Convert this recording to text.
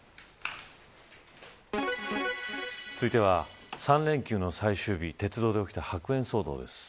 続いては、３連休の最終日鉄道で起きた白煙騒動です。